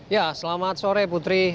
ya selamat sore putri